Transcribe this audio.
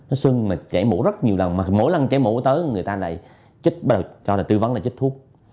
nó sưng mà chạy mổ rất nhiều lần mà mỗi lần chạy mổ tới người ta lại cho tư vấn là chích thuốc